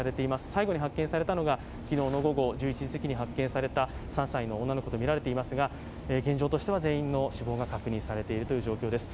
最後に発見されたのが、昨日の午後１１時すぎに発見された３歳の女の子とみられていますが現状としては全員の死亡が確認されているということです。